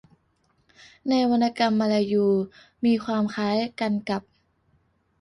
ในวรรณกรรมมลายูมีความคล้ายกันกับ